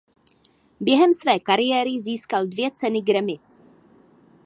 Během své kariéry získal dvě ceny Grammy.